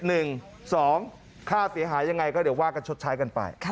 สองค่าเสียหายยังไงก็เดี๋ยวว่ากันชดใช้กันไป